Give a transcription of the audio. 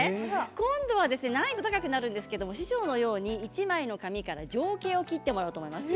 今度は難易度が高くなるんですけど師匠のように１枚の紙から情景を切ってもらおうと思います。